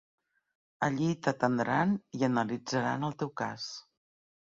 Allí t'atendran i analitzaran el teu cas.